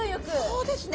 そうですね。